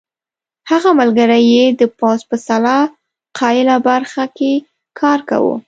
هغه ملګری یې د پوځ په سلاح ساقېله برخه کې کار کاوه.